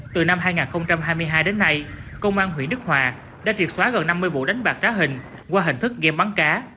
từ năm hai nghìn hai mươi hai đến nay công an huyện đức hòa đã triệt xóa gần năm mươi vụ đánh bạc trá hình qua hình thức game bắn cá